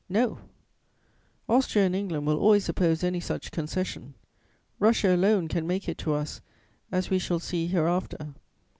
"No: Austria and England will always oppose any such concession; Russia alone can make it to us, as we shall see hereafter.